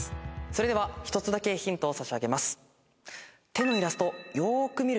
それでは１つだけヒントを差し上げます。